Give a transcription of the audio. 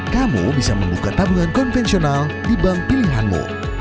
kamu bisa membuka tabungan konvensional di bank pilihanmu